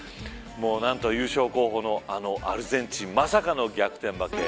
優勝候補の、あのアルゼンチンまさかの逆転負け。